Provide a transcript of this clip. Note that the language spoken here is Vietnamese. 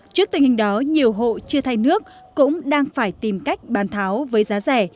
trước tình hình đó nhiều hộ chưa thay nước cũng đang phải tìm cách bán tháo với giá rẻ